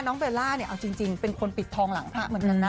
เบลล่าเนี่ยเอาจริงเป็นคนปิดทองหลังพระเหมือนกันนะ